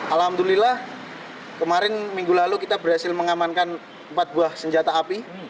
alhamdulillah kemarin minggu lalu kita berhasil mengamankan empat buah senjata api